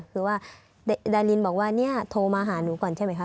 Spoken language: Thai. คือว่าดารินบอกว่าเนี่ยโทรมาหาหนูก่อนใช่ไหมคะ